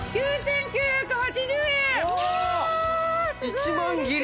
１万切り！